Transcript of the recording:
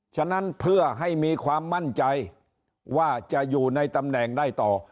ฉะนั้นเพื่อให้มีความมั่นใจว่าจะอยู่ในตำแหน่งได้ต่อ